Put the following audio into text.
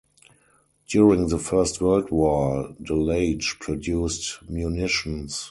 During the First World War, Delage produced munitions.